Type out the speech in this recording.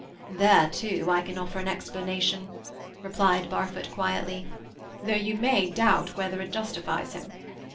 "There, too, I can offer an explanation," replied Barfoot quietly, "though you may doubt whether it justifies him.